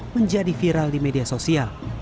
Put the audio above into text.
menjadi viral di media sosial